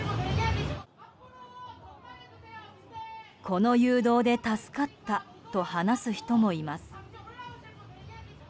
この誘導で助かったと話す人もいます。